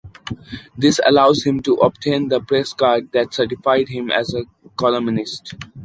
This allows him to obtain the press card that certified him as a columnist.